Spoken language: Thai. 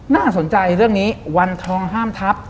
น่าสนใจเรื่องนี้วันทองห้ามทัพ